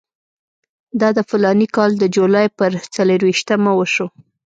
دا د فلاني کال د جولای پر څلېرویشتمه وشو.